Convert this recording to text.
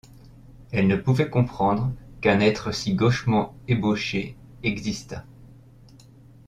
Elle ne pouvait comprendre qu’un être si gauchement ébauché existât.